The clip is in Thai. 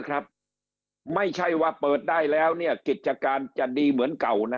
ครับไม่ใช่ว่าเปิดได้แล้วเนี่ยกิจการจะดีเหมือนเก่านะ